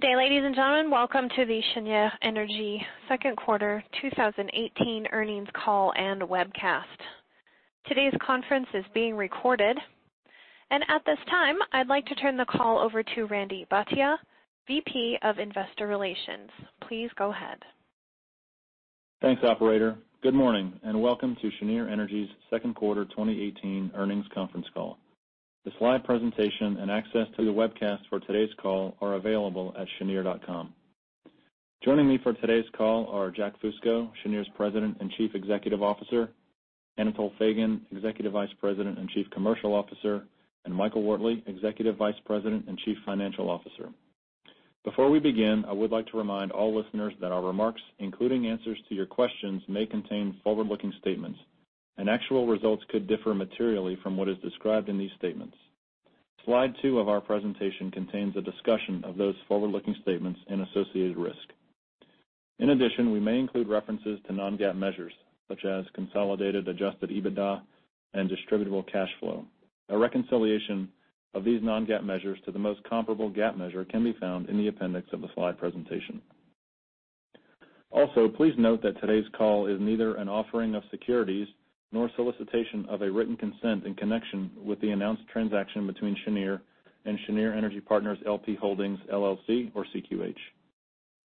Good day, ladies and gentlemen. Welcome to the Cheniere Energy second quarter 2018 earnings call and webcast. Today's conference is being recorded. At this time, I'd like to turn the call over to Randy Bhatia, VP of Investor Relations. Please go ahead. Thanks, operator. Good morning, welcome to Cheniere Energy's second quarter 2018 earnings conference call. The slide presentation and access to the webcast for today's call are available at cheniere.com. Joining me for today's call are Jack Fusco, Cheniere's President and Chief Executive Officer; Anatol Feygin, Executive Vice President and Chief Commercial Officer; and Michael Wortley, Executive Vice President and Chief Financial Officer. Before we begin, I would like to remind all listeners that our remarks, including answers to your questions, may contain forward-looking statements, and actual results could differ materially from what is described in these statements. Slide two of our presentation contains a discussion of those forward-looking statements and associated risk. In addition, we may include references to non-GAAP measures such as consolidated adjusted EBITDA and distributable cash flow. A reconciliation of these non-GAAP measures to the most comparable GAAP measure can be found in the appendix of the slide presentation. Also, please note that today's call is neither an offering of securities nor solicitation of a written consent in connection with the announced transaction between Cheniere and Cheniere Energy Partners, LP Holdings, LLC or CQH.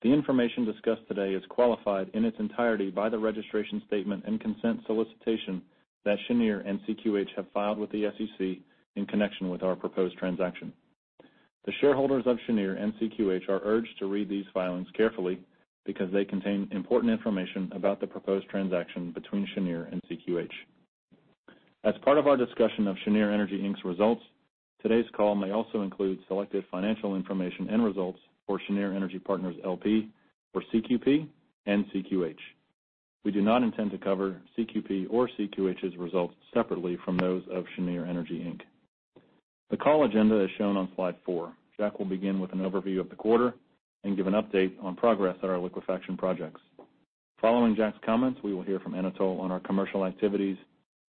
The information discussed today is qualified in its entirety by the registration statement and consent solicitation that Cheniere and CQH have filed with the SEC in connection with our proposed transaction. The shareholders of Cheniere and CQH are urged to read these filings carefully because they contain important information about the proposed transaction between Cheniere and CQH. As part of our discussion of Cheniere Energy Inc's results, today's call may also include selected financial information and results for Cheniere Energy Partners, L.P. or CQP and CQH. We do not intend to cover CQP or CQH's results separately from those of Cheniere Energy Inc. The call agenda is shown on slide four. Jack will begin with an overview of the quarter and give an update on progress at our liquefaction projects. Following Jack's comments, we will hear from Anatol on our commercial activities,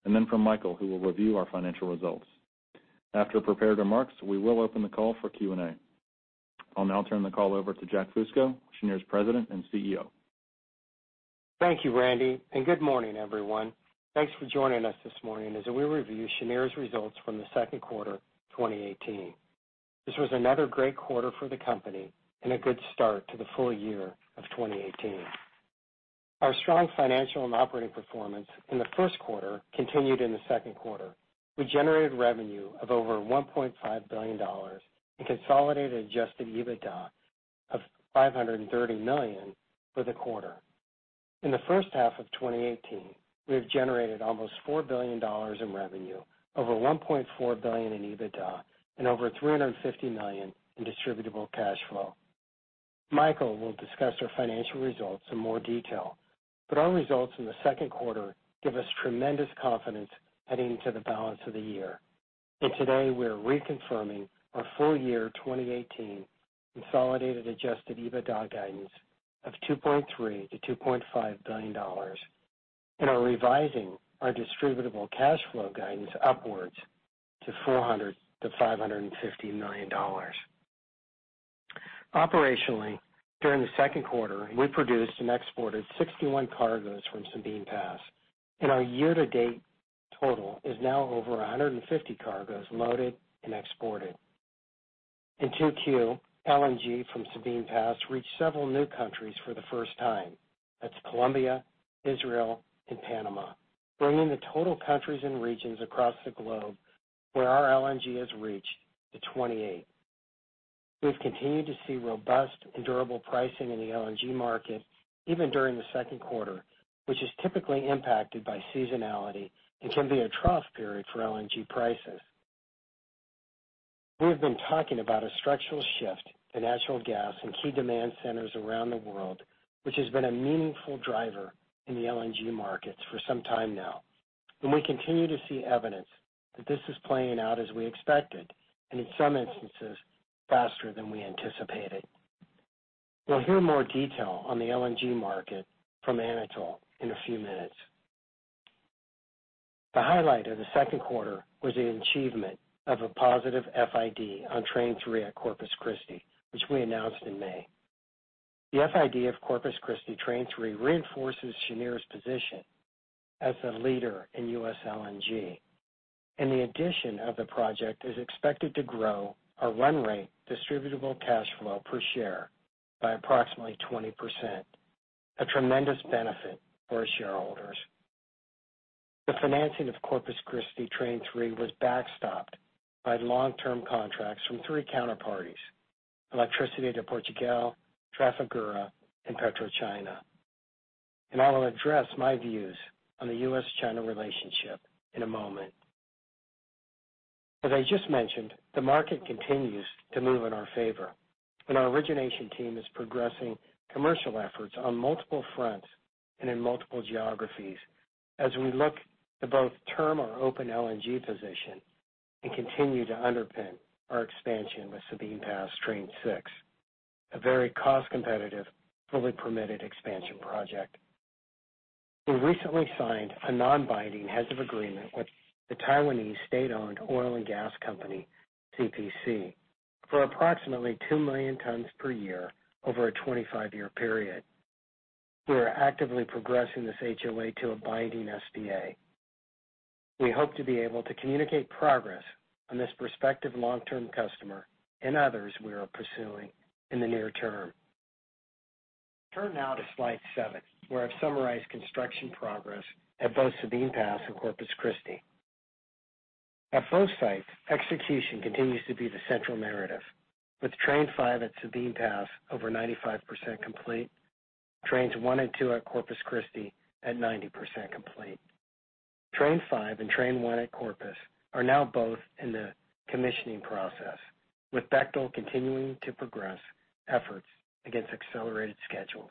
then from Michael, who will review our financial results. After prepared remarks, we will open the call for Q&A. I'll now turn the call over to Jack Fusco, Cheniere's President and CEO. Thank you, Randy, and good morning, everyone. Thanks for joining us this morning as we review Cheniere's results from the second quarter 2018. This was another great quarter for the company and a good start to the full year of 2018. Our strong financial and operating performance in the first quarter continued in the second quarter. We generated revenue of over $1.5 billion and consolidated adjusted EBITDA of $530 million for the quarter. In the first half of 2018, we have generated almost $4 billion in revenue, over $1.4 billion in EBITDA, and over $350 million in distributable cash flow. Michael will discuss our financial results in more detail, but our results in the second quarter give us tremendous confidence heading into the balance of the year. Today, we are reconfirming our full-year 2018 consolidated adjusted EBITDA guidance of $2.3 billion-$2.5 billion and are revising our distributable cash flow guidance upwards to $400 million-$550 million. Operationally, during the second quarter, we produced and exported 61 cargoes from Sabine Pass, and our year-to-date total is now over 150 cargoes loaded and exported. In 2Q, LNG from Sabine Pass reached several new countries for the first time. That's Colombia, Israel, and Panama, bringing the total countries and regions across the globe where our LNG has reached to 28. We've continued to see robust and durable pricing in the LNG market, even during the second quarter, which is typically impacted by seasonality and can be a trough period for LNG prices. We have been talking about a structural shift to natural gas in key demand centers around the world, which has been a meaningful driver in the LNG markets for some time now, and we continue to see evidence that this is playing out as we expected, and in some instances, faster than we anticipated. We'll hear more detail on the LNG market from Anatol in a few minutes. The highlight of the second quarter was the achievement of a positive FID on Train 3 at Corpus Christi, which we announced in May. The FID of Corpus Christi Train 3 reinforces Cheniere's position as a leader in U.S. LNG, and the addition of the project is expected to grow our run rate distributable cash flow per share by approximately 20%, a tremendous benefit for our shareholders. The financing of Corpus Christi Train 3 was backstopped by long-term contracts from three counterparties: Electricidade de Portugal, Trafigura, and PetroChina. I will address my views on the U.S.-China relationship in a moment. As I just mentioned, the market continues to move in our favor, and our origination team is progressing commercial efforts on multiple fronts and in multiple geographies as we look to both term our open LNG position and continue to underpin our expansion with Sabine Pass Train 6, a very cost-competitive, fully permitted expansion project. We recently signed a non-binding head of agreement with the Taiwanese state-owned oil and gas company, CPC, for approximately 2 million tons per year over a 25-year period. We are actively progressing this HOA to a binding SDA. We hope to be able to communicate progress on this prospective long-term customer and others we are pursuing in the near term. Turn now to slide seven, where I've summarized construction progress at both Sabine Pass and Corpus Christi. At both sites, execution continues to be the central narrative, with Train five at Sabine Pass over 95% complete, Trains one and two at Corpus Christi at 90% complete. Train five and Train one at Corpus are now both in the commissioning process, with Bechtel continuing to progress efforts against accelerated schedules.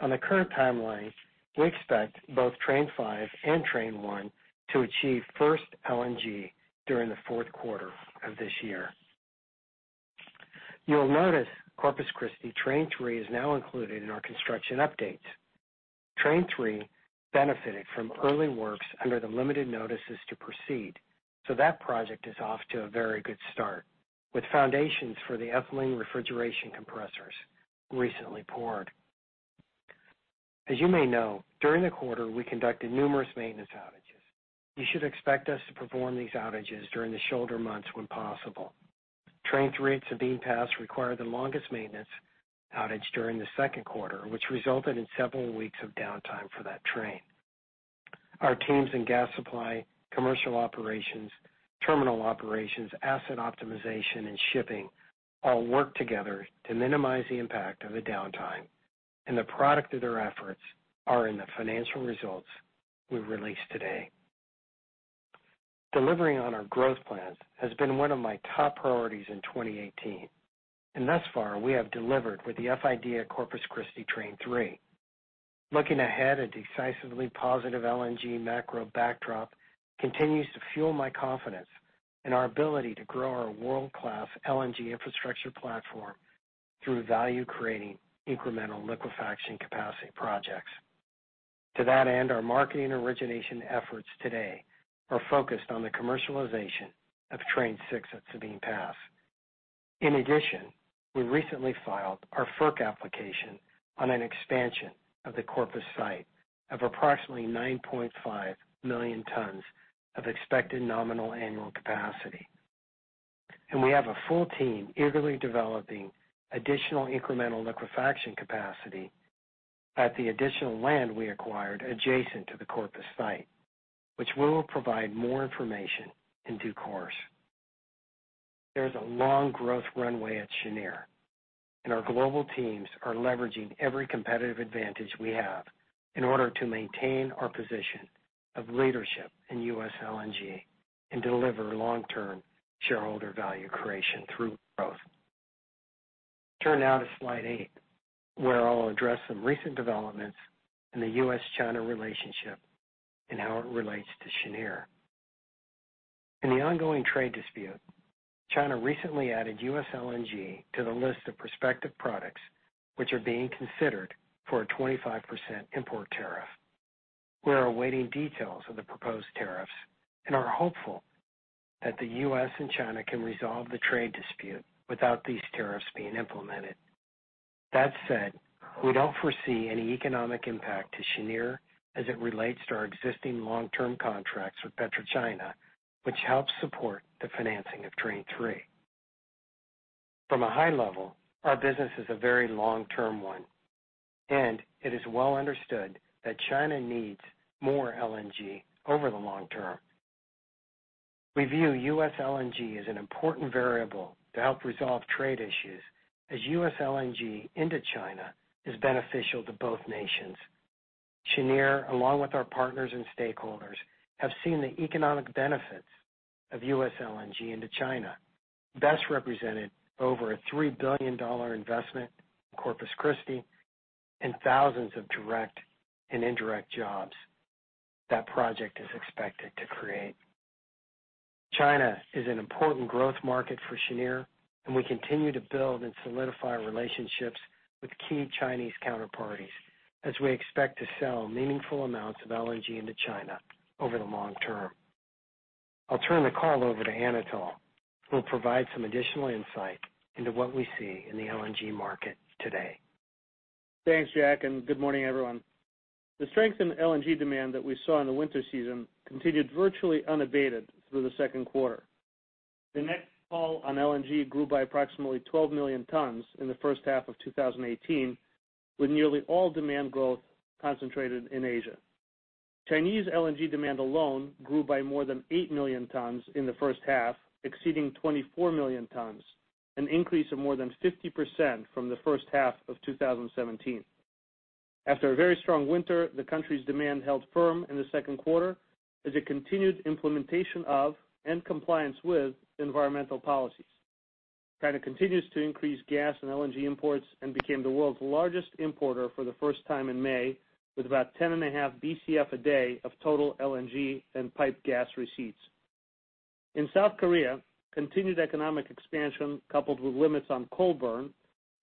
On the current timeline, we expect both Train five and Train one to achieve first LNG during the fourth quarter of this year. You'll notice Corpus Christi Train three is now included in our construction updates. Train three benefited from early works under the limited notices to proceed, that project is off to a very good start with foundations for the ethylene refrigeration compressors recently poured. As you may know, during the quarter, we conducted numerous maintenance outages. You should expect us to perform these outages during the shoulder months when possible. Train three at Sabine Pass required the longest maintenance outage during the second quarter, which resulted in several weeks of downtime for that train. Our teams in gas supply, commercial operations, terminal operations, asset optimization, and shipping all worked together to minimize the impact of the downtime, the product of their efforts are in the financial results we released today. Delivering on our growth plans has been one of my top priorities in 2018, thus far, we have delivered with the FID at Corpus Christi Train three. Looking ahead, a decisively positive LNG macro backdrop continues to fuel my confidence in our ability to grow our world-class LNG infrastructure platform through value-creating incremental liquefaction capacity projects. To that end, our marketing origination efforts today are focused on the commercialization of Train six at Sabine Pass. In addition, we recently filed our FERC application on an expansion of the Corpus site of approximately 9.5 million tons of expected nominal annual capacity. We have a full team eagerly developing additional incremental liquefaction capacity at the additional land we acquired adjacent to the Corpus site, which we will provide more information in due course. There is a long growth runway at Cheniere, our global teams are leveraging every competitive advantage we have in order to maintain our position of leadership in U.S. LNG and deliver long-term shareholder value creation through growth. Turn now to slide eight, where I'll address some recent developments in the U.S.-China relationship and how it relates to Cheniere. In the ongoing trade dispute, China recently added U.S. LNG to the list of prospective products which are being considered for a 25% import tariff. We are awaiting details of the proposed tariffs and are hopeful that the U.S. and China can resolve the trade dispute without these tariffs being implemented. That said, we don't foresee any economic impact to Cheniere as it relates to our existing long-term contracts with PetroChina, which helps support the financing of Train three. From a high level, our business is a very long-term one, it is well understood that China needs more LNG over the long term. We view U.S. LNG as an important variable to help resolve trade issues as U.S. LNG into China is beneficial to both nations. Cheniere, along with our partners and stakeholders, have seen the economic benefits of U.S. LNG into China, best represented over a $3 billion investment in Corpus Christi and thousands of direct and indirect jobs that project is expected to create. China is an important growth market for Cheniere, and we continue to build and solidify relationships with key Chinese counterparties as we expect to sell meaningful amounts of LNG into China over the long term. I'll turn the call over to Anatol, who will provide some additional insight into what we see in the LNG market today. Thanks, Jack, and good morning, everyone. The strength in LNG demand that we saw in the winter season continued virtually unabated through the second quarter. The next call on LNG grew by approximately 12 million tons in the first half of 2018, with nearly all demand growth concentrated in Asia. Chinese LNG demand alone grew by more than 8 million tons in the first half, exceeding 24 million tons, an increase of more than 50% from the first half of 2017. After a very strong winter, the country's demand held firm in the second quarter as it continued implementation of and compliance with environmental policies. China continues to increase gas and LNG imports and became the world's largest importer for the first time in May, with about 10.5 BCF a day of total LNG and pipe gas receipts. In South Korea, continued economic expansion coupled with limits on coal burn,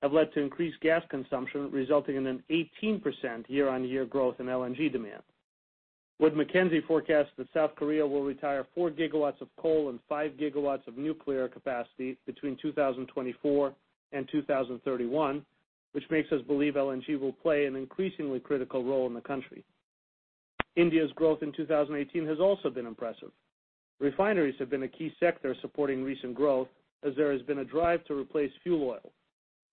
have led to increased gas consumption resulting in an 18% year-on-year growth in LNG demand. Wood Mackenzie forecasts that South Korea will retire four gigawatts of coal and five gigawatts of nuclear capacity between 2024 and 2031, which makes us believe LNG will play an increasingly critical role in the country. India's growth in 2018 has also been impressive. Refineries have been a key sector supporting recent growth as there has been a drive to replace fuel oil.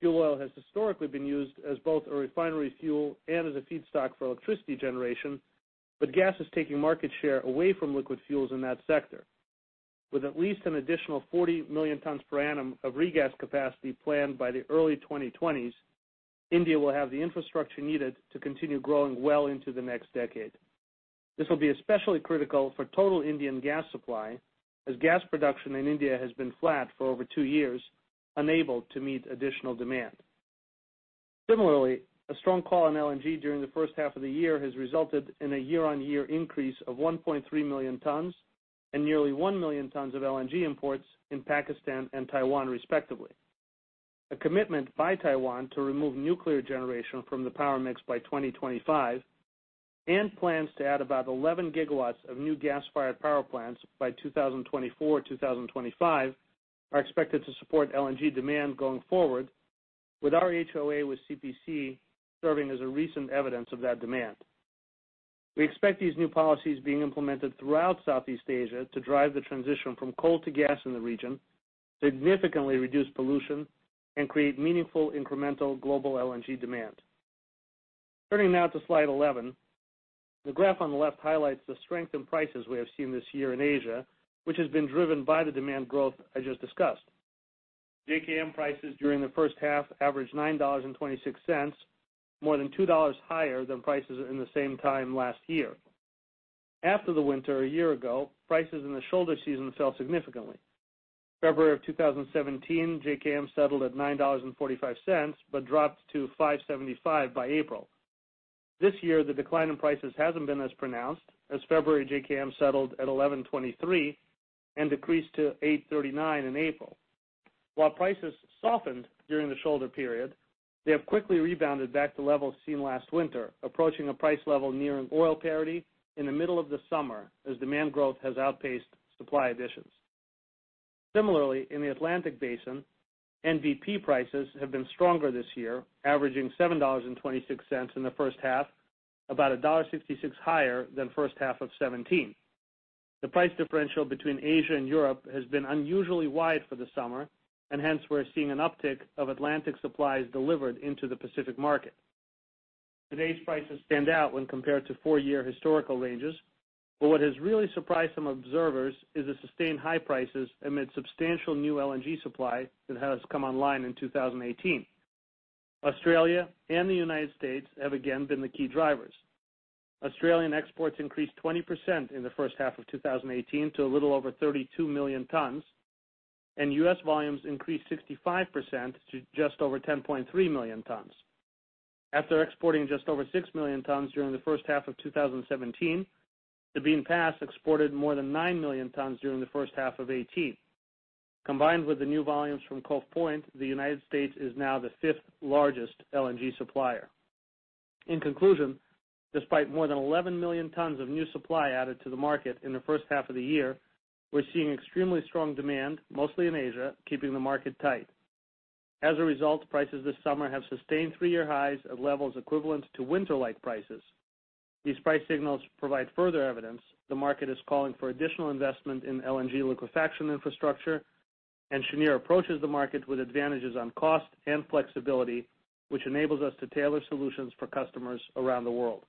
Fuel oil has historically been used as both a refinery fuel and as a feedstock for electricity generation. Gas is taking market share away from liquid fuels in that sector. With at least an additional 40 million tons per annum of regas capacity planned by the early 2020s, India will have the infrastructure needed to continue growing well into the next decade. This will be especially critical for total Indian gas supply, as gas production in India has been flat for over two years, unable to meet additional demand. Similarly, a strong call on LNG during the first half of the year has resulted in a year-on-year increase of 1.3 million tons and nearly 1 million tons of LNG imports in Pakistan and Taiwan, respectively. A commitment by Taiwan to remove nuclear generation from the power mix by 2025, and plans to add about 11 gigawatts of new gas-fired power plants by 2024, 2025, are expected to support LNG demand going forward, with our HOA with CPC serving as a recent evidence of that demand. We expect these new policies being implemented throughout Southeast Asia to drive the transition from coal to gas in the region, significantly reduce pollution, and create meaningful incremental global LNG demand. Turning now to slide 11. The graph on the left highlights the strength in prices we have seen this year in Asia, which has been driven by the demand growth I just discussed. JKM prices during the first half averaged $9.26, more than $2 higher than prices in the same time last year. After the winter a year ago, prices in the shoulder season fell significantly. February of 2017, JKM settled at $9.45, but dropped to $5.75 by April. This year, the decline in prices hasn't been as pronounced, as February JKM settled at $11.23 and decreased to $8.39 in April. While prices softened during the shoulder period, they have quickly rebounded back to levels seen last winter, approaching a price level nearing oil parity in the middle of the summer as demand growth has outpaced supply additions. Similarly, in the Atlantic Basin, NBP prices have been stronger this year, averaging $7.26 in the first half, about $1.66 higher than first half of 2017. Hence, we're seeing an uptick of Atlantic supplies delivered into the Pacific market. Today's prices stand out when compared to four-year historical ranges, what has really surprised some observers is the sustained high prices amid substantial new LNG supply that has come online in 2018. Australia and the U.S. have again been the key drivers. Australian exports increased 20% in the first half of 2018 to a little over 32 million tons. U.S. volumes increased 65% to just over 10.3 million tons. After exporting just over six million tons during the first half of 2017, Sabine Pass exported more than nine million tons during the first half of 2018. Combined with the new volumes from Cove Point, the U.S. is now the fifth-largest LNG supplier. In conclusion, despite more than 11 million tons of new supply added to the market in the first half of the year, we're seeing extremely strong demand, mostly in Asia, keeping the market tight. As a result, prices this summer have sustained three-year highs at levels equivalent to winter-like prices. These price signals provide further evidence the market is calling for additional investment in LNG liquefaction infrastructure. Cheniere approaches the market with advantages on cost and flexibility, which enables us to tailor solutions for customers around the world.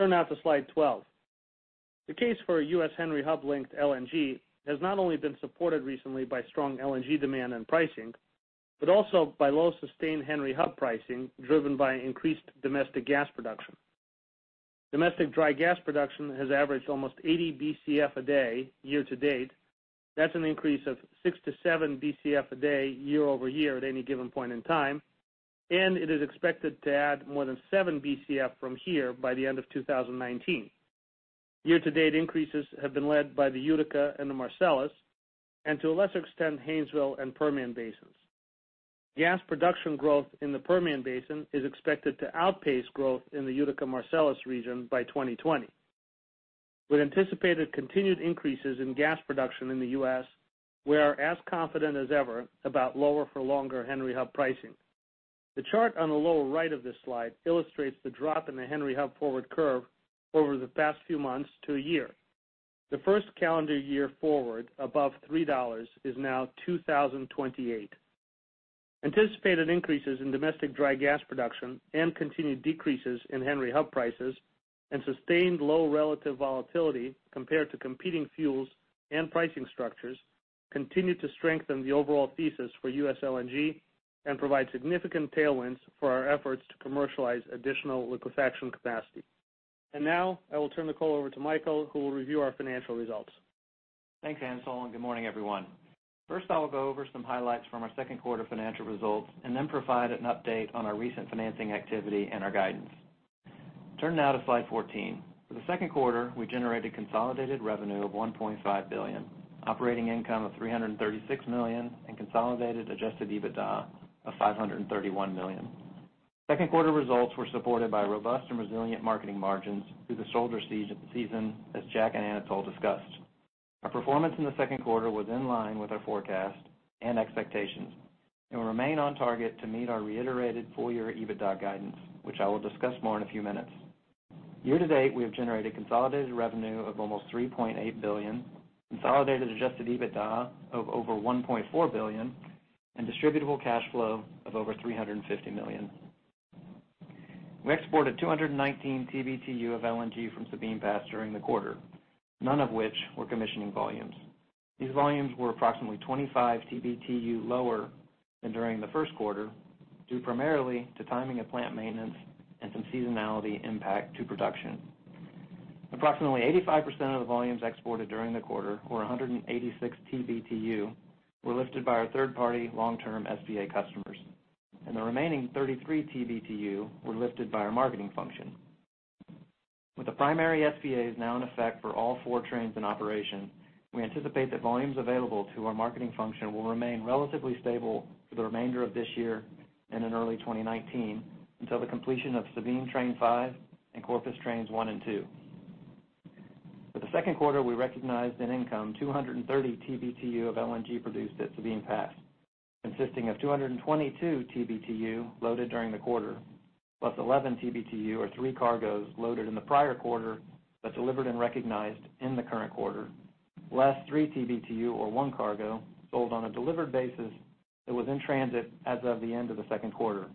Turn now to slide 12. The case for a U.S. Henry Hub linked LNG has not only been supported recently by strong LNG demand and pricing, but also by low sustained Henry Hub pricing driven by increased domestic gas production. Domestic dry gas production has averaged almost 80 BCF a day year-to-date. That's an increase of six to seven BCF a day year-over-year at any given point in time. It is expected to add more than seven BCF from here by the end of 2019. Year-to-date increases have been led by the Utica and the Marcellus, and to a lesser extent, Haynesville and Permian Basins. Gas production growth in the Permian Basin is expected to outpace growth in the Utica Marcellus region by 2020. With anticipated continued increases in gas production in the U.S., we are as confident as ever about lower for longer Henry Hub pricing. The chart on the lower right of this slide illustrates the drop in the Henry Hub forward curve over the past few months to a year. The first calendar year forward above $3 is now 2028. Anticipated increases in domestic dry gas production and continued decreases in Henry Hub prices, and sustained low relative volatility compared to competing fuels and pricing structures, continue to strengthen the overall thesis for U.S. LNG and provide significant tailwinds for our efforts to commercialize additional liquefaction capacity. Now I will turn the call over to Michael, who will review our financial results. Thanks, Anatol, good morning, everyone. First, I will go over some highlights from our second quarter financial results and then provide an update on our recent financing activity and our guidance. Turn now to slide 14. For the second quarter, we generated consolidated revenue of $1.5 billion, operating income of $336 million, and consolidated adjusted EBITDA of $531 million. Second quarter results were supported by robust and resilient marketing margins through the shoulder season, as Jack and Anatol discussed. Our performance in the second quarter was in line with our forecast and expectations, and we remain on target to meet our reiterated full-year EBITDA guidance, which I will discuss more in a few minutes. Year-to-date, we have generated consolidated revenue of almost $3.8 billion, consolidated adjusted EBITDA of over $1.4 billion, and distributable cash flow of over $350 million. We exported 219 TBTU of LNG from Sabine Pass during the quarter, none of which were commissioning volumes. These volumes were approximately 25 TBTU lower than during the first quarter, due primarily to timing of plant maintenance and some seasonality impact to production. Approximately 85% of the volumes exported during the quarter, or 186 TBTU, were lifted by our third-party long-term SPA customers, and the remaining 33 TBTU were lifted by our marketing function. With the primary SPAs now in effect for all four trains in operation, we anticipate that volumes available to our marketing function will remain relatively stable for the remainder of this year and in early 2019, until the completion of Sabine Train 5 and Corpus Trains 1 and 2. For the second quarter, we recognized an income 230 TBTU of LNG produced at Sabine Pass, consisting of 222 TBTU loaded during the quarter, plus 11 TBTU or three cargoes loaded in the prior quarter that delivered and recognized in the current quarter, less three TBTU or one cargo sold on a delivered basis that was in transit as of the end of the second quarter.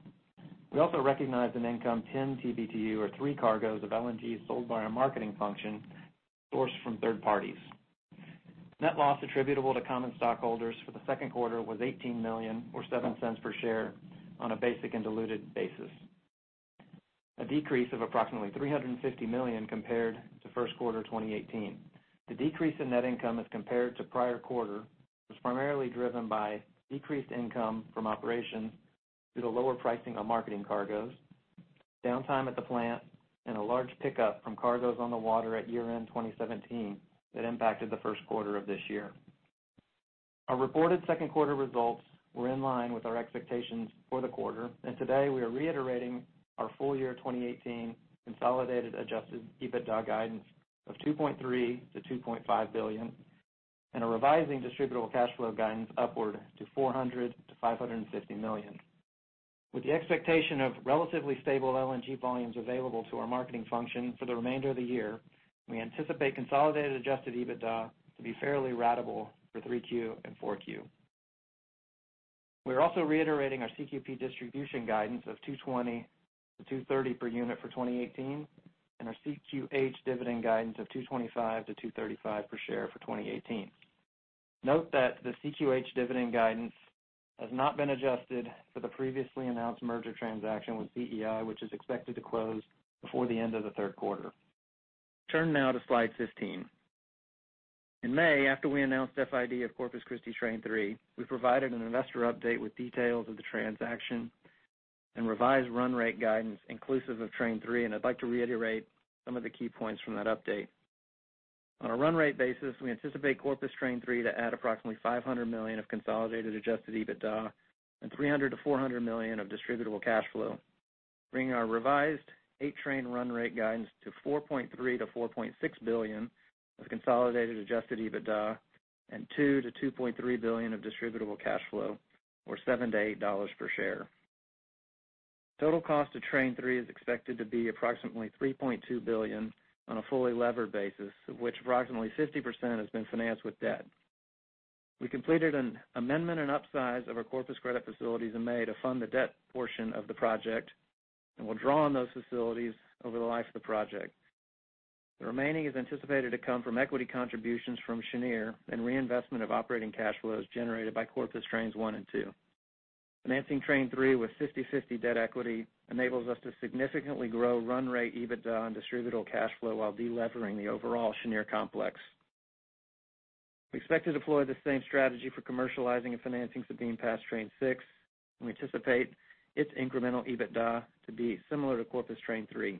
We also recognized an income 10 TBTU or three cargoes of LNG sold by our marketing function sourced from third parties. Net loss attributable to common stockholders for the second quarter was $18 million or $0.07 per share on a basic and diluted basis, a decrease of approximately $350 million compared to first quarter 2018. The decrease in net income as compared to prior quarter was primarily driven by decreased income from operations due to lower pricing on marketing cargoes, downtime at the plant, and a large pickup from cargoes on the water at year-end 2017 that impacted the first quarter of this year. Our reported second quarter results were in line with our expectations for the quarter. Today we are reiterating our full-year 2018 consolidated adjusted EBITDA guidance of $2.3 billion-$2.5 billion and are revising distributable cash flow guidance upward to $400 million-$550 million. With the expectation of relatively stable LNG volumes available to our marketing function for the remainder of the year, we anticipate consolidated adjusted EBITDA to be fairly ratable for 3Q and 4Q. We are also reiterating our CQP distribution guidance of $2.20-$2.30 per unit for 2018 and our CQH dividend guidance of $2.25-$2.35 per share for 2018. Note that the CQH dividend guidance has not been adjusted for the previously announced merger transaction with CEI, which is expected to close before the end of the third quarter. Turn now to slide 15. In May, after we announced FID of Corpus Christi Train 3, we provided an investor update with details of the transaction and revised run rate guidance inclusive of Train 3. I'd like to reiterate some of the key points from that update. On a run-rate basis, we anticipate Corpus Train 3 to add approximately $500 million of consolidated adjusted EBITDA and $300 million-$400 million of distributable cash flow, bringing our revised eight-train run-rate guidance to $4.3 billion-$4.6 billion of consolidated adjusted EBITDA and $2 billion-$2.3 billion of distributable cash flow or $7-$8 per share. Total cost of Train 3 is expected to be approximately $3.2 billion on a fully levered basis, of which approximately 50% has been financed with debt. We completed an amendment and upsize of our Corpus credit facilities in May to fund the debt portion of the project and will draw on those facilities over the life of the project. The remaining is anticipated to come from equity contributions from Cheniere and reinvestment of operating cash flows generated by Corpus Trains 1 and 2. Financing Train 3 with 50/50 debt equity enables us to significantly grow run-rate EBITDA and distributable cash flow while de-levering the overall Cheniere complex. We expect to deploy the same strategy for commercializing and financing Sabine Pass Train 6, and we anticipate its incremental EBITDA to be similar to Corpus Train 3,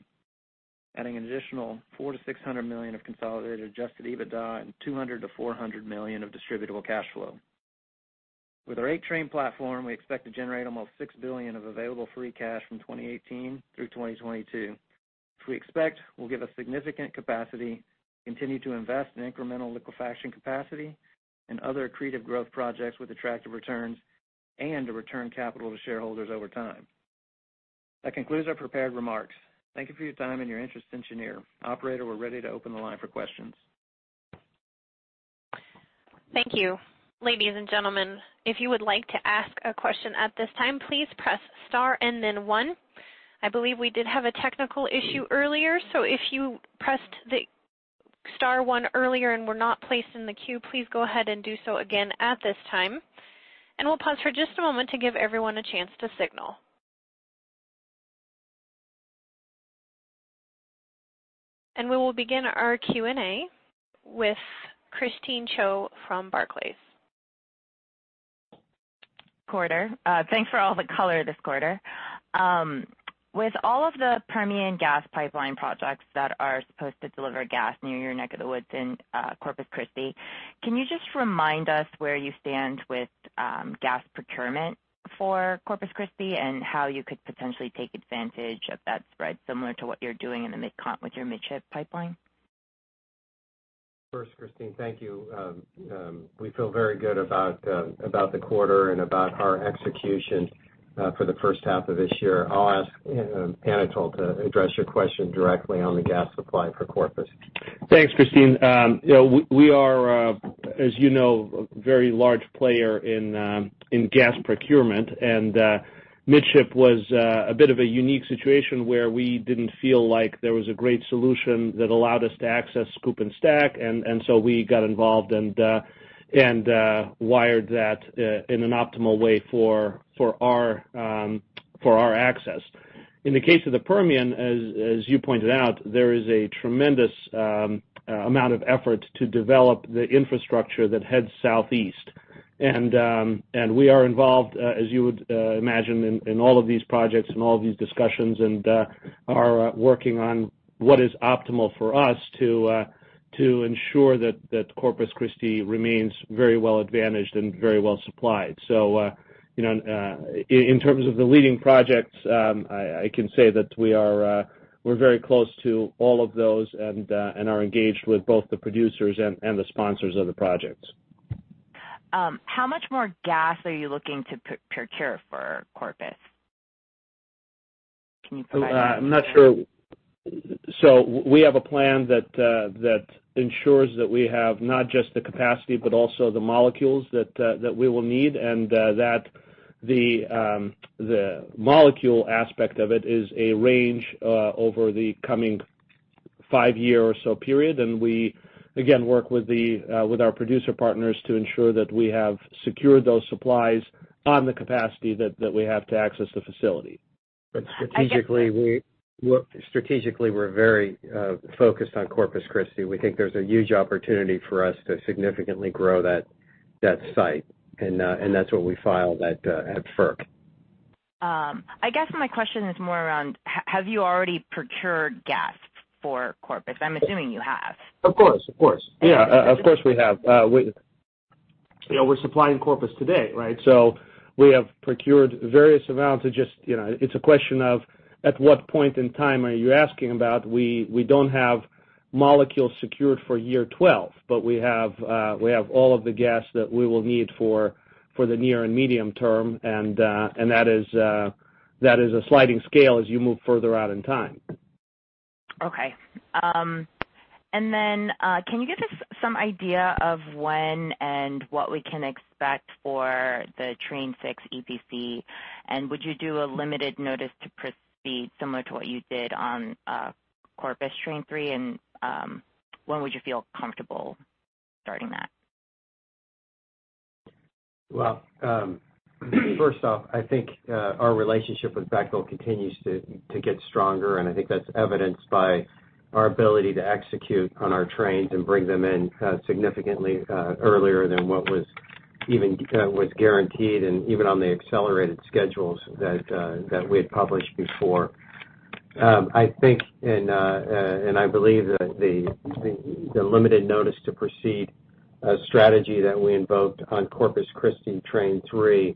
adding an additional $400 million-$600 million of consolidated adjusted EBITDA and $200 million-$400 million of distributable cash flow. With our eight-train platform, we expect to generate almost $6 billion of available free cash from 2018 through 2022, which we expect will give us significant capacity, continue to invest in incremental liquefaction capacity and other accretive growth projects with attractive returns, and to return capital to shareholders over time. That concludes our prepared remarks. Thank you for your time and your interest in Cheniere. Operator, we're ready to open the line for questions. Thank you. Ladies and gentlemen, if you would like to ask a question at this time, please press star and then one. I believe we did have a technical issue earlier, so if you pressed the star one earlier and were not placed in the queue, please go ahead and do so again at this time. We'll pause for just a moment to give everyone a chance to signal. We will begin our Q&A with Christine Cho from Barclays quarter. Thanks for all the color this quarter. With all of the Permian gas pipeline projects that are supposed to deliver gas near your neck of the woods in Corpus Christi, can you just remind us where you stand with gas procurement for Corpus Christi, and how you could potentially take advantage of that spread, similar to what you're doing in the Mid-Con with your Midship Pipeline? First, Christine, thank you. We feel very good about the quarter and about our execution for the first half of this year. I'll ask Anatol to address your question directly on the gas supply for Corpus. Thanks, Christine. We are, as you know, a very large player in gas procurement, and Midship was a bit of a unique situation where we didn't feel like there was a great solution that allowed us to access Scoop and Stack. We got involved and wired that in an optimal way for our access. In the case of the Permian, as you pointed out, there is a tremendous amount of effort to develop the infrastructure that heads southeast. We are involved, as you would imagine, in all of these projects and all of these discussions, and are working on what is optimal for us to ensure that Corpus Christi remains very well-advantaged and very well-supplied. In terms of the leading projects, I can say that we're very close to all of those and are engaged with both the producers and the sponsors of the projects. How much more gas are you looking to procure for Corpus? Can you provide- I'm not sure. We have a plan that ensures that we have not just the capacity but also the molecules that we will need, and that the molecule aspect of it is a range over the coming five-year or so period. We, again, work with our producer partners to ensure that we have secured those supplies on the capacity that we have to access the facility. Strategically, we're very focused on Corpus Christi. We think there's a huge opportunity for us to significantly grow that site, and that's what we filed at FERC. I guess my question is more around, have you already procured gas for Corpus? I'm assuming you have. Of course. Yeah. Of course, we have. We're supplying Corpus today, right? We have procured various amounts. It's a question of at what point in time are you asking about? We don't have molecules secured for year 12, but we have all of the gas that we will need for the near and medium term, and that is a sliding scale as you move further out in time. Okay. Can you give us some idea of when and what we can expect for the Train 6 EPC? Would you do a limited notice to proceed, similar to what you did on Corpus Train 3, and when would you feel comfortable starting that? Well, first off, I think our relationship with Bechtel continues to get stronger, and I think that's evidenced by our ability to execute on our trains and bring them in significantly earlier than what was guaranteed, and even on the accelerated schedules that we had published before. I think and I believe that the limited notice to proceed strategy that we invoked on Corpus Christi Train 3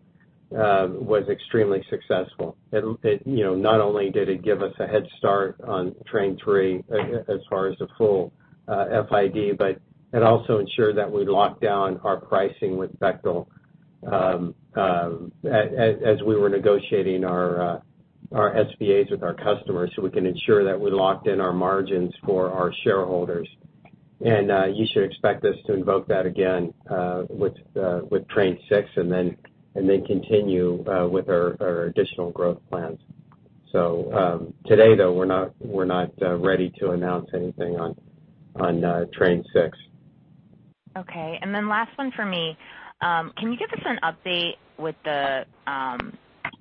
was extremely successful. Not only did it give us a head start on Train 3 as far as the full FID, but it also ensured that we locked down our pricing with Bechtel as we were negotiating our SPAs with our customers, so we can ensure that we locked in our margins for our shareholders. You should expect us to invoke that again with Train 6 and then continue with our additional growth plans. Today, though, we're not ready to announce anything on Train 6. Last one for me. Can you give us an update with the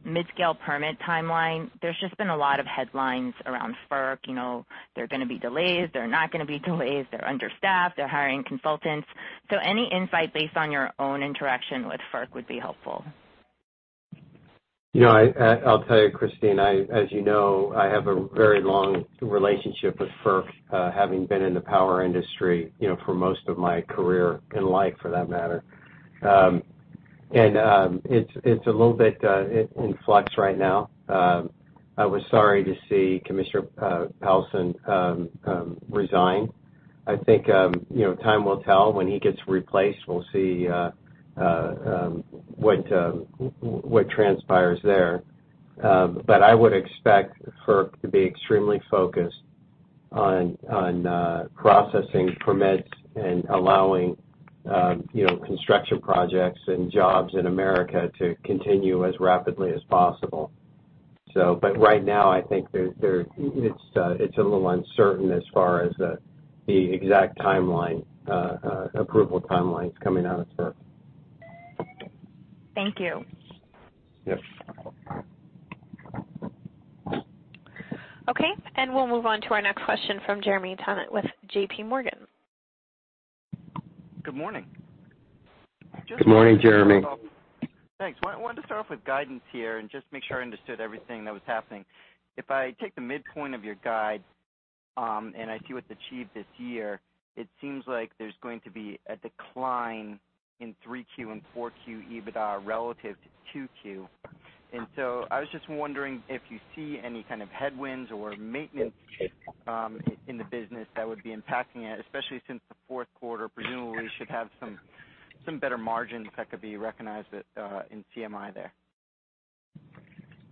mid-scale permit timeline? There's just been a lot of headlines around FERC. There are going to be delays. There are not going to be delays. They're understaffed. They're hiring consultants. Any insight based on your own interaction with FERC would be helpful. I'll tell you, Christine. As you know, I have a very long relationship with FERC, having been in the power industry for most of my career and life, for that matter. It's a little bit in flux right now. I was sorry to see Commissioner Powelson resign. I think time will tell. When he gets replaced, we'll see what transpires there. I would expect FERC to be extremely focused on processing permits and allowing construction projects and jobs in America to continue as rapidly as possible. Right now, I think it's a little uncertain as far as the exact approval timelines coming out of FERC. Thank you. Yes. We'll move on to our next question from Jeremy Tonet with JPMorgan. Good morning. Good morning, Jeremy. Thanks. I wanted to start off with guidance here and just make sure I understood everything that was happening. If I take the midpoint of your guide, and I see what's achieved this year, it seems like there's going to be a decline in 3Q and 4Q EBITDA relative to 2Q. I was just wondering if you see any kind of headwinds or maintenance in the business that would be impacting it, especially since the fourth quarter presumably should have some better margins that could be recognized at, in CMI there.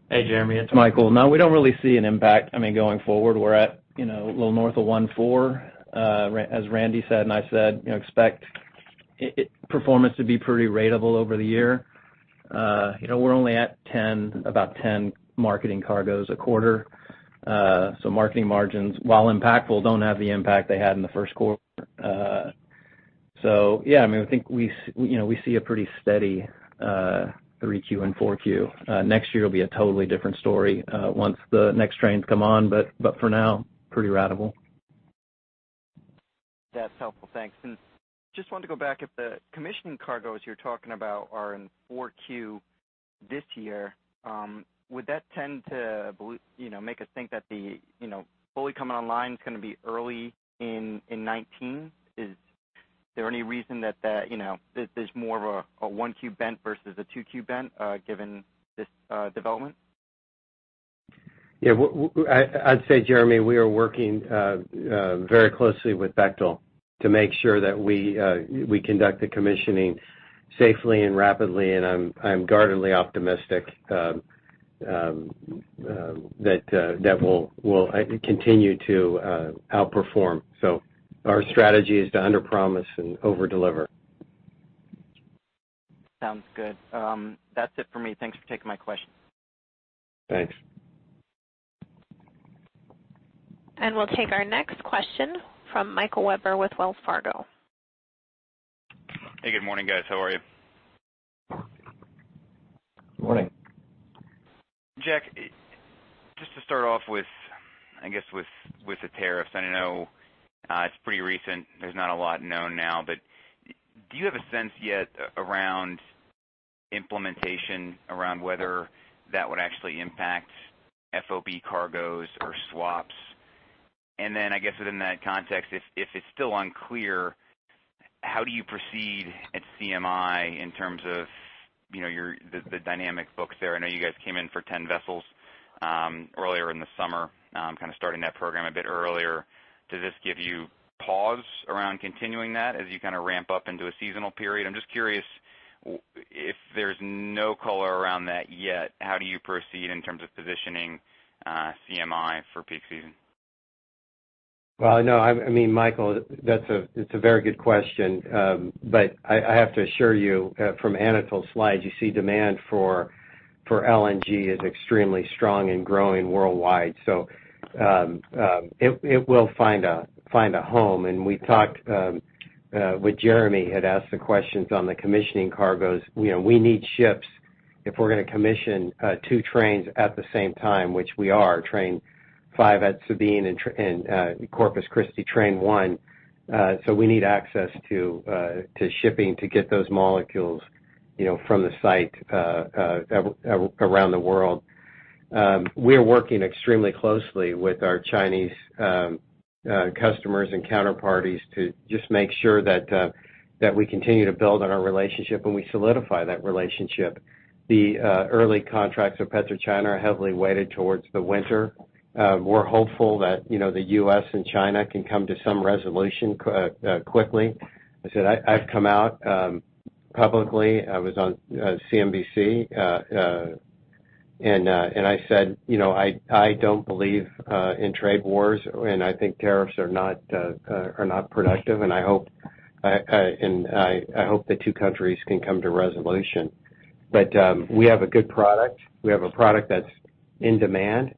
Hey, Jeremy, it's Michael. No, we don't really see an impact. Going forward, we're at a little north of one four. As Randy said, and I said, expect performance to be pretty ratable over the year. We're only at about 10 marketing cargoes a quarter. Marketing margins, while impactful, don't have the impact they had in the first quarter. I think we see a pretty steady 3Q and 4Q. Next year will be a totally different story once the next trains come on. For now, pretty ratable. That's helpful. Thanks. Just wanted to go back. If the commissioning cargoes you're talking about are in 4Q this year, would that tend to make us think that the fully coming online is going to be early in 2019? Is there any reason that there's more of a 1Q bent versus a 2Q bent given this development? I'd say, Jeremy, we are working very closely with Bechtel to make sure that we conduct the commissioning safely and rapidly, and I'm guardedly optimistic that we'll continue to outperform. Our strategy is to underpromise and overdeliver. Sounds good. That's it for me. Thanks for taking my question. Thanks. We'll take our next question from Michael Webber with Wells Fargo. Hey, good morning, guys. How are you? Good morning. Jack, just to start off with the tariffs. I know it's pretty recent. There's not a lot known now, do you have a sense yet around implementation around whether that would actually impact FOB cargoes or swaps? Then, I guess within that context, if it's still unclear, how do you proceed at CMI in terms of the dynamic books there? I know you guys came in for 10 vessels earlier in the summer, kind of starting that program a bit earlier. Does this give you pause around continuing that as you kind of ramp up into a seasonal period? I'm just curious if there's no color around that yet, how do you proceed in terms of positioning CMI for peak season? Well, no, Michael, it's a very good question. I have to assure you, from Anatol's slides, you see demand for LNG is extremely strong and growing worldwide. It will find a home, we talked with Jeremy, had asked the questions on the commissioning cargoes. We need ships if we're going to commission two trains at the same time, which we are, train five at Sabine and Corpus Christi, train one. We need access to shipping to get those molecules from the site around the world. We are working extremely closely with our Chinese customers and counterparties to just make sure that we continue to build on our relationship and we solidify that relationship. The early contracts with PetroChina are heavily weighted towards the winter. We're hopeful that the U.S. and China can come to some resolution quickly. I've come out publicly. I was on CNBC. I said I don't believe in trade wars. I think tariffs are not productive. I hope the two countries can come to resolution. We have a good product. We have a product that's in demand.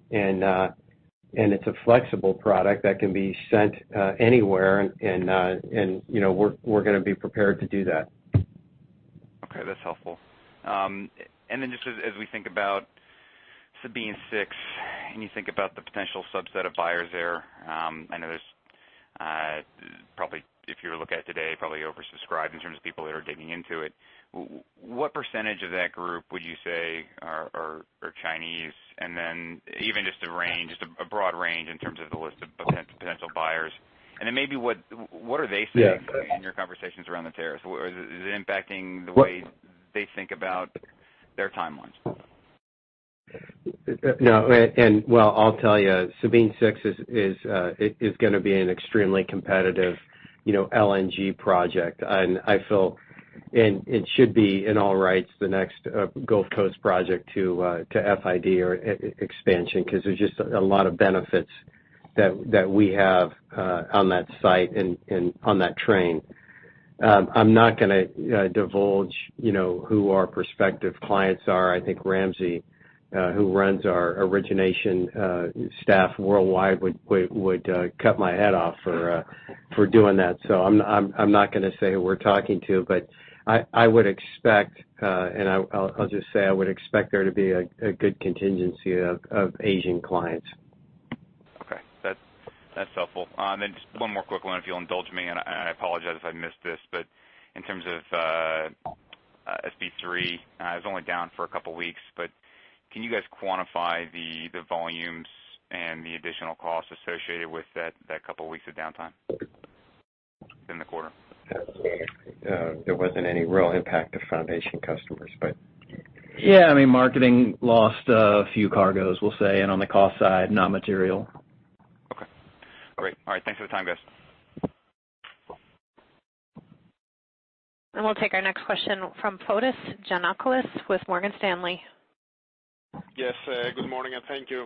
It's a flexible product that can be sent anywhere. We're going to be prepared to do that. Okay. That's helpful. Just as we think about Sabine Pass 6, you think about the potential subset of buyers there. I know there's probably, if you were to look at it today, probably oversubscribed in terms of people that are digging into it. What % of that group would you say are Chinese? Even just a range, just a broad range in terms of the list of potential buyers. Maybe what are they saying. Yeah In your conversations around the tariffs? Is it impacting the way they think about their timelines? No. Well, I'll tell you, Sabine Pass 6 is going to be an extremely competitive LNG project. It should be, in all rights, the next Gulf Coast project to FID or expansion because there's just a lot of benefits that we have on that site and on that train. I'm not going to divulge who our prospective clients are. I think Ramzi, who runs our origination staff worldwide, would cut my head off for doing that. I'm not going to say who we're talking to. I would expect, I'll just say I would expect there to be a good contingency of Asian clients. That's helpful. Just one more quick one if you'll indulge me, I apologize if I missed this, in terms of SB3, it was only down for a couple of weeks, can you guys quantify the volumes and the additional costs associated with that couple weeks of downtime in the quarter? There wasn't any real impact to Foundation customers. Yeah, marketing lost a few cargoes, we'll say. On the cost side, not material. Okay. Great. All right, thanks for the time, guys. We'll take our next question from Fotis Giannakoulis with Morgan Stanley. Yes. Good morning, and thank you.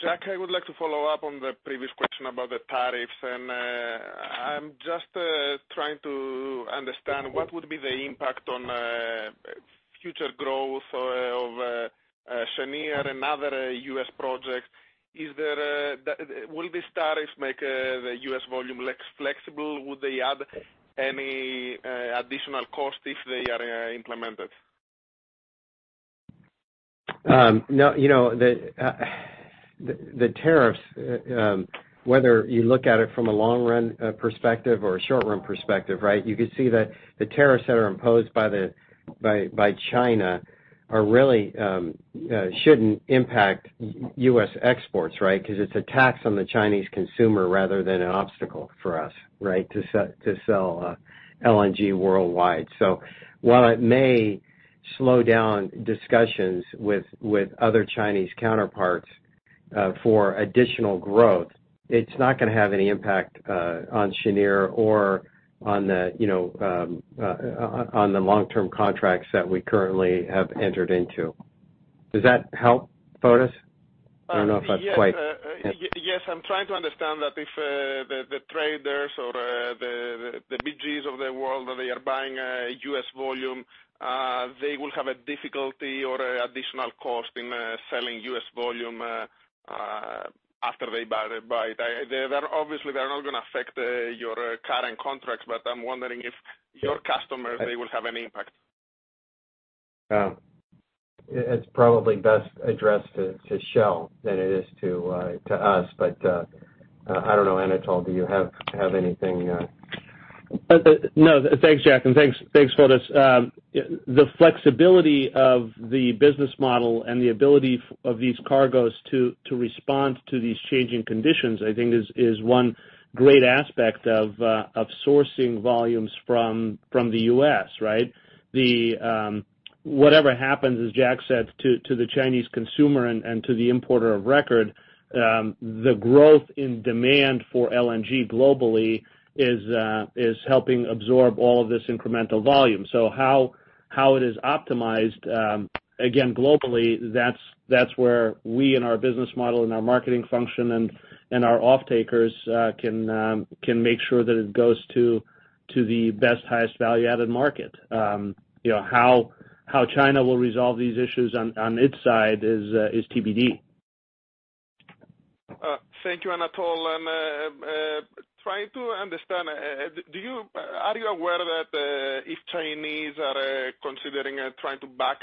Jack, I would like to follow up on the previous question about the tariffs. I'm just trying to understand what would be the impact on future growth of Cheniere and other U.S. projects. Will these tariffs make the U.S. volume less flexible? Would they add any additional cost if they are implemented? The tariffs, whether you look at it from a long-run perspective or a short-run perspective, you could see that the tariffs that are imposed by China really shouldn't impact U.S. exports, right? Because it's a tax on the Chinese consumer rather than an obstacle for us to sell LNG worldwide. While it may slow down discussions with other Chinese counterparts for additional growth, it's not going to have any impact on Cheniere or on the long-term contracts that we currently have entered into. Does that help, Fotis? Yes. I'm trying to understand that if the traders or the BGs of the world, they are buying U.S. volume, they will have a difficulty or additional cost in selling U.S. volume after they buy it. Obviously, they're not going to affect your current contracts, but I'm wondering if your customers, they will have any impact. It's probably best addressed to Shell than it is to us. I don't know, Anatol, do you have anything? No. Thanks, Jack, and thanks, Fotis. The flexibility of the business model and the ability of these cargoes to respond to these changing conditions, I think is one great aspect of sourcing volumes from the U.S., right? Whatever happens, as Jack said, to the Chinese consumer and to the importer of record, the growth in demand for LNG globally is helping absorb all of this incremental volume. How it is optimized, again, globally, that's where we and our business model and our marketing function and our offtakers can make sure that it goes to the best, highest value-added market. How China will resolve these issues on its side is TBD. Thank you, Anatol. I'm trying to understand. Are you aware if Chinese are considering trying to back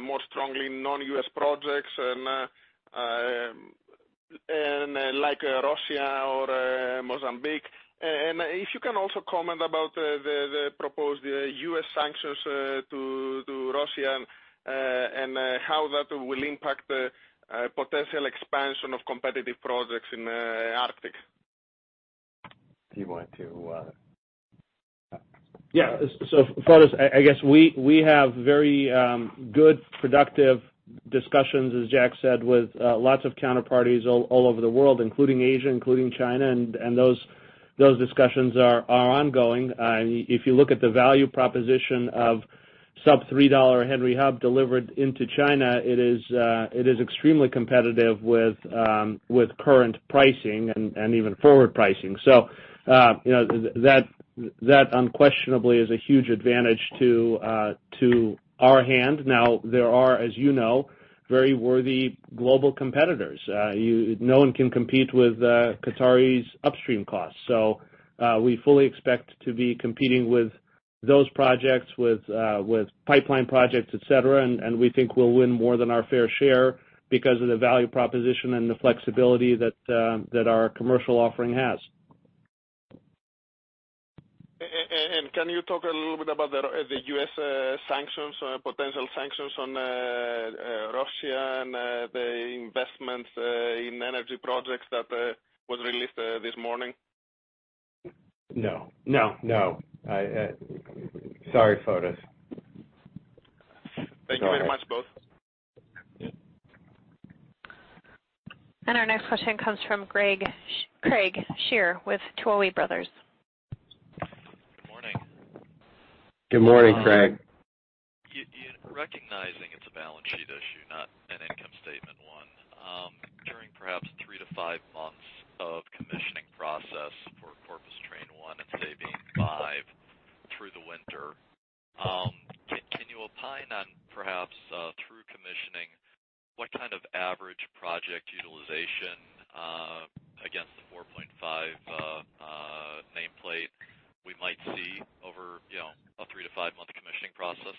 more strongly non-U.S. projects, like Russia or Mozambique? If you can also comment about the proposed U.S. sanctions to Russia, and how that will impact the potential expansion of competitive projects in the Arctic. Do you want to? Fotis, I guess we have very good, productive discussions, as Jack said, with lots of counterparties all over the world, including Asia, including China, and those discussions are ongoing. If you look at the value proposition of sub $3 Henry Hub delivered into China, it is extremely competitive with current pricing and even forward pricing. That unquestionably is a huge advantage to our hand. There are, as you know, very worthy global competitors. No one can compete with Qataris' upstream costs. We fully expect to be competing with those projects, with pipeline projects, et cetera, and we think we'll win more than our fair share because of the value proposition and the flexibility that our commercial offering has. Can you talk a little bit about the U.S. sanctions or potential sanctions on Russia and the investments in energy projects that was released this morning? No. No. No. Sorry, Fotis. Thank you very much, both. Yeah. Our next question comes from Craig Shere with Tuohy Brothers. Good morning. Good morning, Craig. Recognizing it's a balance sheet issue, not an income statement one. During perhaps 3 to 5 months of commissioning process for Corpus Train 1 and Sabine 5 through the winter, can you opine on perhaps through commissioning, what kind of average project utilization to five-month commissioning process?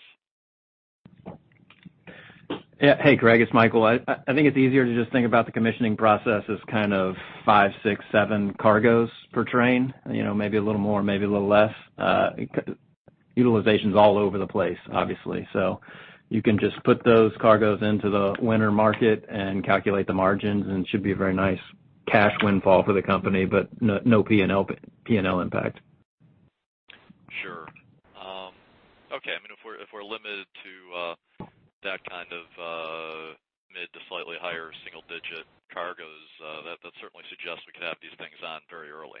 Yeah. Hey, Craig, it's Michael. I think it's easier to just think about the commissioning process as kind of five, six, seven cargoes per train. Maybe a little more, maybe a little less. Utilization's all over the place, obviously. You can just put those cargoes into the winter market and calculate the margins, and it should be a very nice cash windfall for the company, but no P&L impact. Sure. Okay. If we're limited to that kind of mid to slightly higher single-digit cargoes, that certainly suggests we could have these things on very early,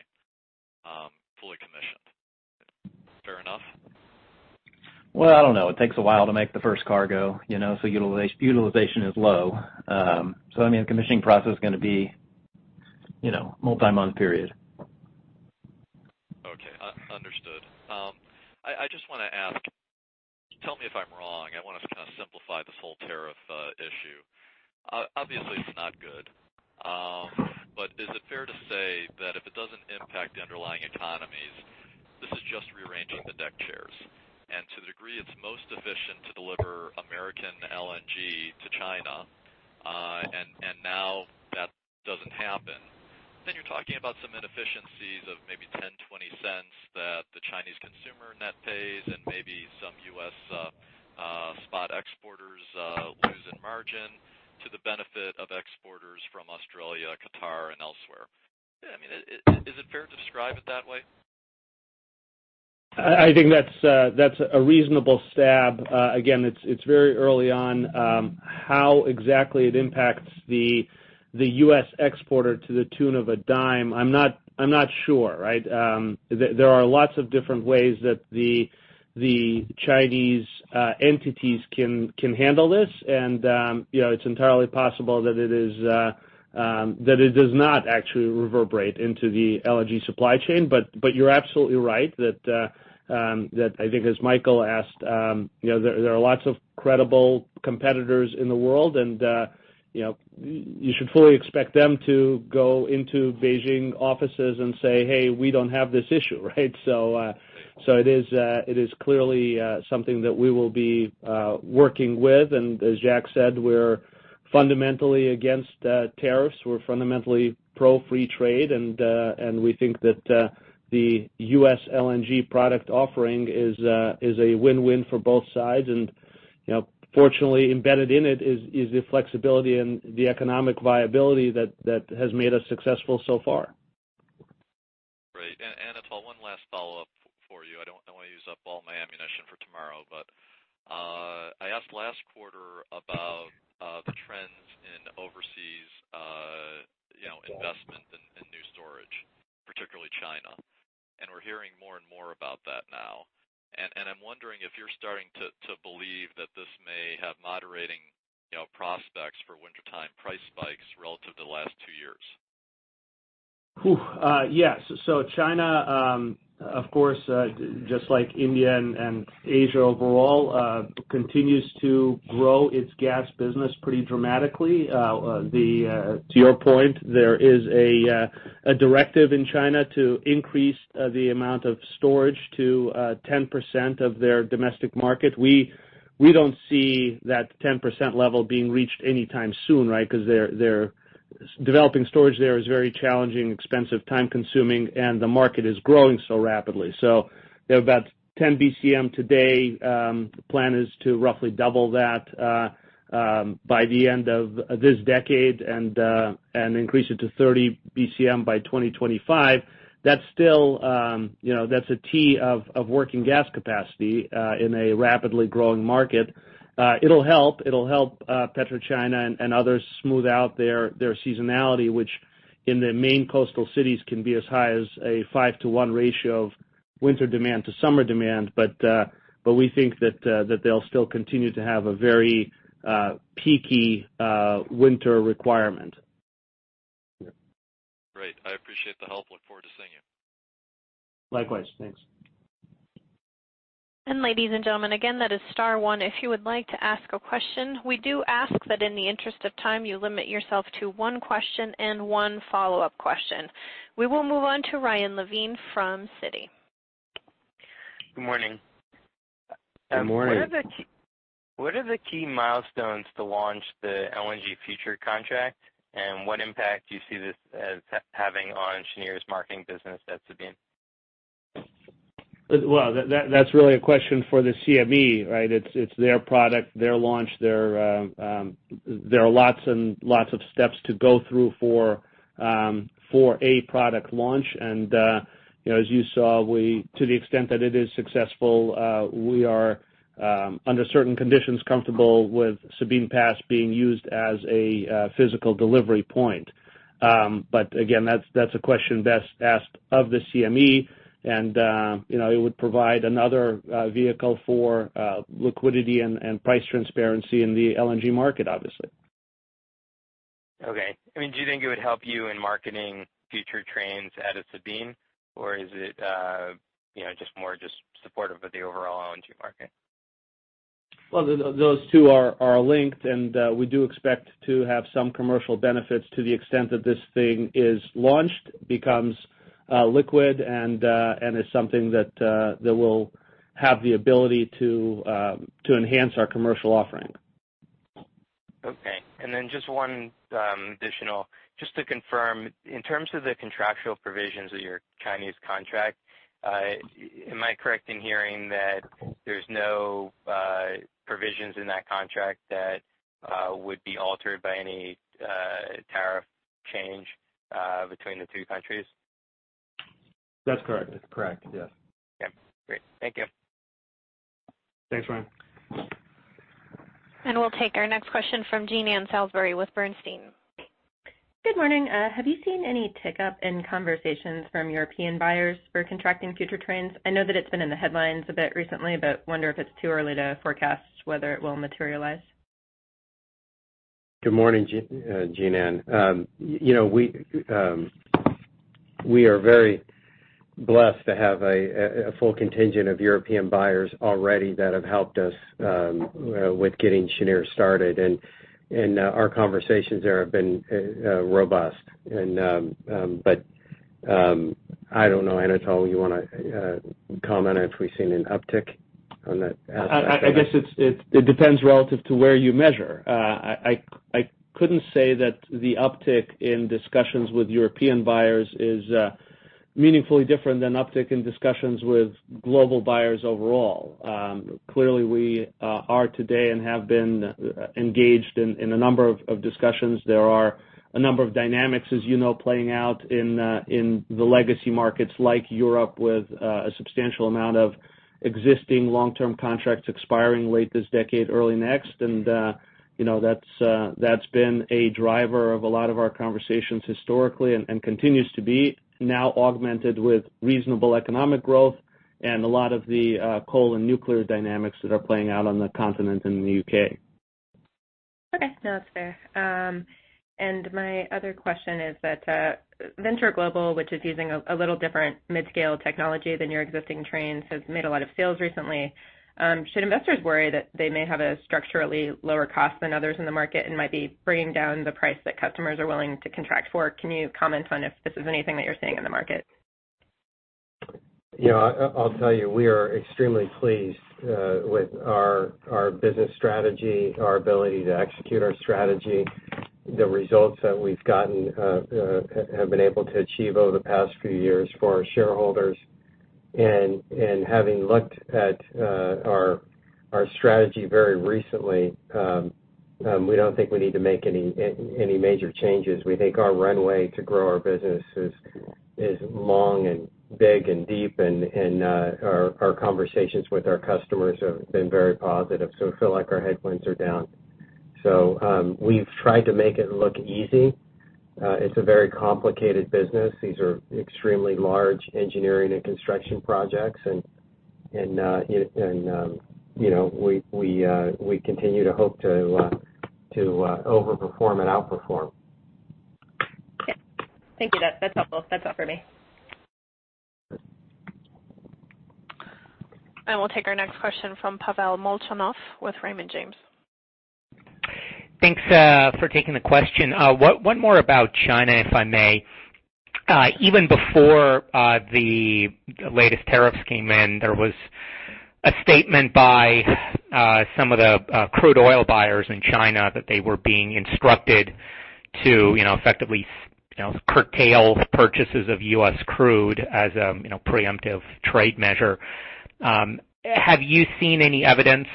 fully commissioned. Fair enough? Well, I don't know. It takes a while to make the first cargo, utilization is low. The commissioning process is going to be a multi-month period. Okay. Understood. I just want to ask, tell me if I'm wrong. I want to kind of simplify this whole tariff issue. Obviously, it's not good. Is it fair to say that if it doesn't impact the underlying economies, this is just rearranging the deck chairs? To the degree it's most efficient to deliver American LNG to China, and now that doesn't happen, then you're talking about some inefficiencies of maybe $0.10, $0.20 that the Chinese consumer net pays and maybe some U.S. spot exporters lose in margin to the benefit of exporters from Australia, Qatar, and elsewhere. Is it fair to describe it that way? I think that's a reasonable stab. Again, it's very early on. How exactly it impacts the U.S. exporter to the tune of a dime, I'm not sure. There are lots of different ways that the Chinese entities can handle this. It's entirely possible that it does not actually reverberate into the LNG supply chain. You're absolutely right that, I think as Michael asked, there are lots of credible competitors in the world, and you should fully expect them to go into Beijing offices and say, "Hey, we don't have this issue." It is clearly something that we will be working with. As Jack said, we're fundamentally against tariffs. We're fundamentally pro-free trade. We think that the U.S. LNG product offering is a win-win for both sides. Fortunately, embedded in it is the flexibility and the economic viability that has made us successful so far. Great. Anatol, one last follow-up for you. I don't want to use up all my ammunition for tomorrow, I asked last quarter about the trends in overseas investment in new storage, particularly China. We're hearing more and more about that now. I'm wondering if you're starting to believe that this may have moderating prospects for wintertime price spikes relative to the last two years. Yes. China, of course, just like India and Asia overall, continues to grow its gas business pretty dramatically. To your point, there is a directive in China to increase the amount of storage to 10% of their domestic market. We don't see that 10% level being reached any time soon because developing storage there is very challenging, expensive, time-consuming, and the market is growing so rapidly. They have about 10 BCM today. The plan is to roughly double that by the end of this decade and increase it to 30 BCM by 2025. That's a TCF of working gas capacity in a rapidly growing market. It'll help. It'll help PetroChina and others smooth out their seasonality, which in the main coastal cities can be as high as a 5 to 1 ratio of winter demand to summer demand. We think that they'll still continue to have a very peaky winter requirement. Great. I appreciate the help. Look forward to seeing you. Likewise. Thanks. Ladies and gentlemen, again, that is star one if you would like to ask a question. We do ask that in the interest of time, you limit yourself to one question and one follow-up question. We will move on to Ryan Levine from Citi. Good morning. Good morning. What are the key milestones to launch the LNG future contract, and what impact do you see this as having on Cheniere's marketing business at Sabine? Well, that's really a question for the CME, right? It's their product, their launch. There are lots and lots of steps to go through for a product launch. As you saw, to the extent that it is successful, we are under certain conditions comfortable with Sabine Pass being used as a physical delivery point. Again, that's a question best asked of the CME, and it would provide another vehicle for liquidity and price transparency in the LNG market, obviously. Okay. Do you think it would help you in marketing future trains out of Sabine? Or is it just more supportive of the overall LNG market? Well, those two are linked, and we do expect to have some commercial benefits to the extent that this thing is launched, becomes liquid, and is something that will have the ability to enhance our commercial offering. Okay. Just one additional. Just to confirm, in terms of the contractual provisions of your Chinese contract, am I correct in hearing that there's no provisions in that contract that would be altered by any tariff change between the two countries? That's correct. That's correct, yes. Okay, great. Thank you. Thanks, Ryan. We'll take our next question from Jean Ann Salisbury with Bernstein. Good morning. Have you seen any tick-up in conversations from European buyers for contracting future trends? I know that it's been in the headlines a bit recently, but wonder if it's too early to forecast whether it will materialize. Good morning, Jean Ann. We are very blessed to have a full contingent of European buyers already that have helped us with getting Cheniere started, and our conversations there have been robust. I don't know, Anatol, you want to comment if we've seen an uptick on that aspect of it? I guess it depends relative to where you measure. I couldn't say that the uptick in discussions with European buyers is meaningfully different than uptick in discussions with global buyers overall. Clearly, we are today and have been engaged in a number of discussions. There are a number of dynamics, as you know, playing out in the legacy markets like Europe with a substantial amount of existing long-term contracts expiring late this decade, early next. That's been a driver of a lot of our conversations historically and continues to be, now augmented with reasonable economic growth and a lot of the coal and nuclear dynamics that are playing out on the continent in the U.K. Okay. No, that's fair. My other question is that Venture Global, which is using a little different mid-scale technology than your existing trains, has made a lot of sales recently. Should investors worry that they may have a structurally lower cost than others in the market and might be bringing down the price that customers are willing to contract for? Can you comment on if this is anything that you're seeing in the market? I'll tell you, we are extremely pleased with our business strategy, our ability to execute our strategy, the results that we've gotten have been able to achieve over the past few years for our shareholders. Having looked at our strategy very recently, we don't think we need to make any major changes. We think our runway to grow our business is long and big and deep, and our conversations with our customers have been very positive. We feel like our headwinds are down. We've tried to make it look easy. It's a very complicated business. These are extremely large engineering and construction projects, and we continue to hope to overperform and outperform. Okay. Thank you. That's helpful. That's all for me. We'll take our next question from Pavel Molchanov with Raymond James. Thanks for taking the question. One more about China, if I may. Even before the latest tariffs came in, there was a statement by some of the crude oil buyers in China that they were being instructed to effectively curtail purchases of U.S. crude as a preemptive trade measure. Have you seen any evidence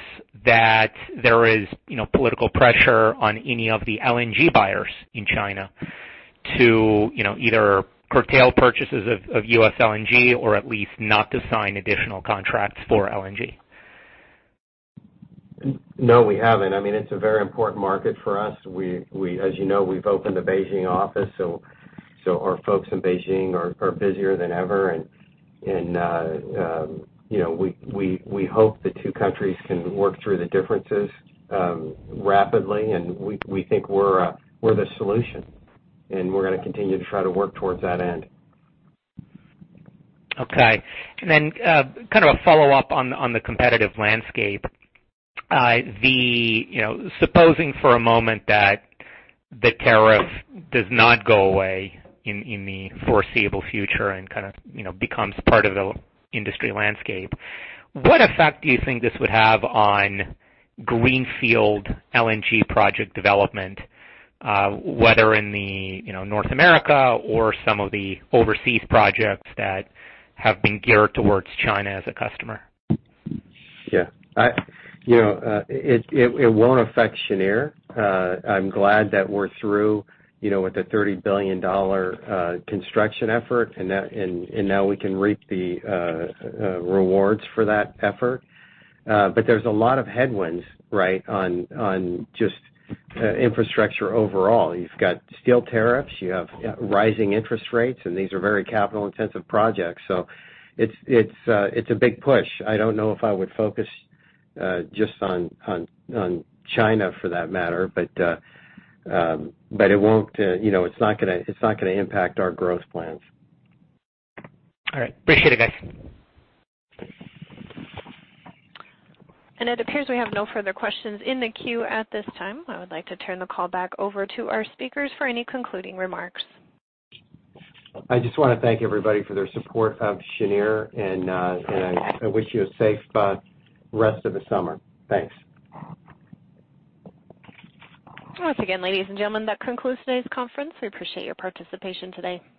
that there is political pressure on any of the LNG buyers in China to either curtail purchases of U.S. LNG, or at least not to sign additional contracts for LNG? No, we haven't. It's a very important market for us. As you know, we've opened a Beijing office, so our folks in Beijing are busier than ever. We hope the two countries can work through the differences rapidly, and we think we're the solution, and we're going to continue to try to work towards that end. Okay. Then a follow-up on the competitive landscape. Supposing for a moment that the tariff does not go away in the foreseeable future and becomes part of the industry landscape, what effect do you think this would have on greenfield LNG project development whether in North America or some of the overseas projects that have been geared towards China as a customer? Yeah. It won't affect Cheniere. I'm glad that we're through with the $30 billion construction effort, now we can reap the rewards for that effort. There's a lot of headwinds on just infrastructure overall. You've got steel tariffs, you have rising interest rates, and these are very capital-intensive projects. It's a big push. I don't know if I would focus just on China for that matter, it's not going to impact our growth plans. All right. Appreciate it, guys. It appears we have no further questions in the queue at this time. I would like to turn the call back over to our speakers for any concluding remarks. I just want to thank everybody for their support of Cheniere, I wish you a safe rest of the summer. Thanks. Once again, ladies and gentlemen, that concludes today's conference. We appreciate your participation today.